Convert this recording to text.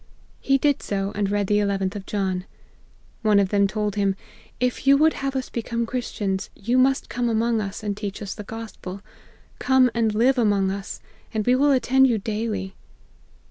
He did so, and read the eleventh of John. One of them told him, * if you would have us become Christians, you must come among us, and teach us the gospel. Come and live among us, and we will attend you daily.'